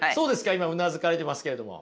今うなずかれてますけれども。